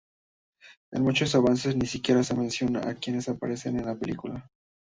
En muchos avances ni siquiera se menciona a quienes aparecen en la película.